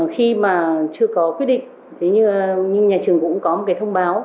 khi mà chưa có quyết định nhưng nhà trường cũng có một cái thông báo